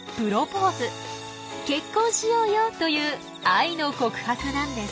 「結婚しようよ」という愛の告白なんです。